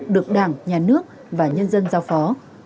được đảng nhà nước và nhân dân giao phó